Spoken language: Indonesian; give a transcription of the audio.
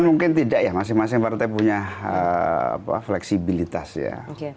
mungkin tidak ya masing masing partai punya fleksibilitas ya